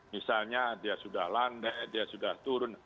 misalnya dia sudah landai dia sudah turun